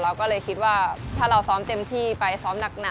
เราก็เลยคิดว่าถ้าเราซ้อมเต็มที่ไปซ้อมหนัก